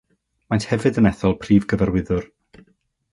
Maent hefyd yn ethol Prif Gyfarwyddwr.